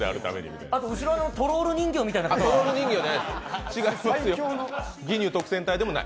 後ろのトロール人形みたいな人は？